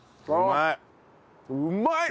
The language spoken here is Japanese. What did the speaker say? うまい！